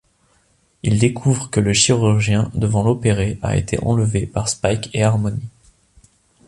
Ils découvrent que le chirurgien devant l'opérer a été enlevé par Spike et Harmony.